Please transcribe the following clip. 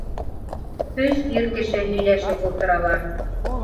Өс ир кеше һөйләшеп ултыралар.